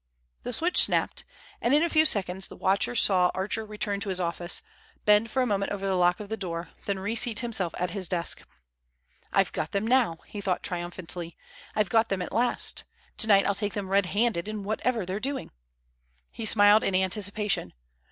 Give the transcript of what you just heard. The switch snapped, and in a few seconds the watcher saw Archer return to his office, bend for a moment over the lock of the door, then reseat himself at his desk. "I've got them now," he thought triumphantly. "I've got them at last. Tonight I'll take them red handed in whatever they're doing." He smiled in anticipation.